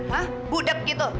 hah budep gitu